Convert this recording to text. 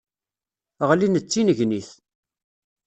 Ɣlin d tinnegnit.